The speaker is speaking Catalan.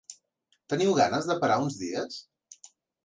Teniu ganes de parar uns dies?